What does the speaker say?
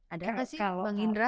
ada nggak sih bang indra